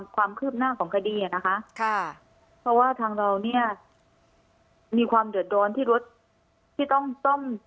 ความคืบหน้าของคดีอ่ะนะคะเพราะว่าทางเราเนี่ยมีความเดือดร้อนที่รถที่ต้องต้อง